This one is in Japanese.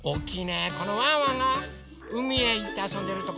このワンワンがうみへいってあそんでるところ。